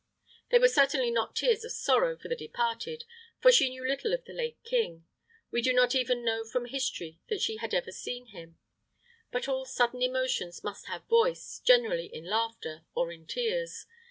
They were certainly not tears of sorrow for the departed, for she knew little of the late king; we do not even know from history that she had ever seen him; but all sudden emotions must have voice, generally in laughter, or in tears.